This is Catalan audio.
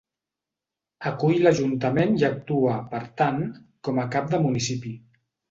Acull l'ajuntament i actua, per tant, com a cap de municipi.